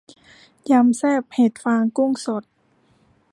ยำแซ่บเห็ดฟางกุ้งสด